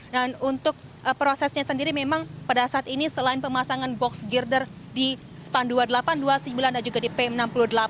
dan untuk prosesnya sendiri memang pada saat ini selain pemasangan box girder di span dua puluh delapan dua puluh sembilan dan juga di pm enam puluh delapan